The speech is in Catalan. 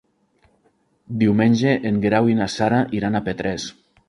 Diumenge en Guerau i na Sara iran a Petrés.